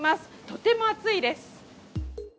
とても暑いです。